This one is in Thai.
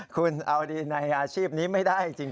คุณเอาดีในอาชีพนี้ไม่ได้จริง